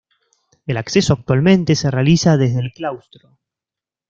El acceso actualmente se realiza desde el claustro.